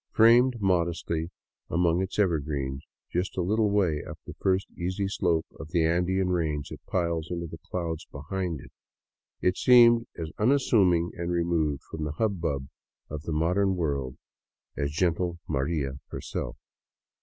Framed modestly among its evergreens, just a little way up the first easy slope of the Andean range that piles into the clouds behind it, it seemed as unas suming and removed from the hubbub of the modern world as gentle *' Maria " herself.